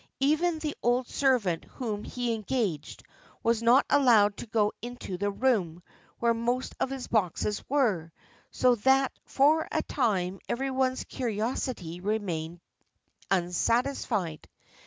Even the old servant whom he had engaged was not allowed to go into the room where most of his boxes were, so that for a time every one's curiosity remained unsatisfied.